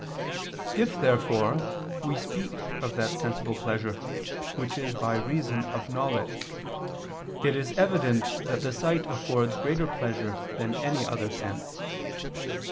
If therefore we speak of that sensible pleasure which is by reason of knowledge, it is evident that the sight affords greater pleasure than any other sense.